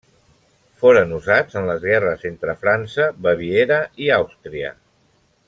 Foren usats en les guerres entre França, Baviera i Àustria.